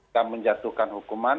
jika menjatuhkan hukuman